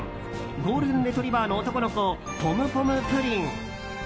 ゴールデンレトリバーの男の子ポムポムプリン。